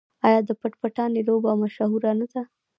آیا د پټ پټانې لوبه مشهوره نه ده؟